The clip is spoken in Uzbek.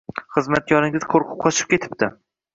Xizmatkoringiz qo‘rqib qochib ketibdi